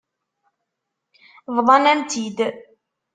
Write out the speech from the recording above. Bḍan-am-tt-id.